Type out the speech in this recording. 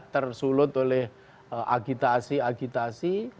tersulut oleh agitasi agitasi